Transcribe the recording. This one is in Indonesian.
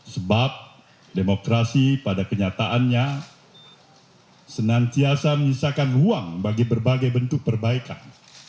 sebab demokrasi pada kenyataannya senantiasa menyisakan ruang bagi berbagai bentuk perbaikan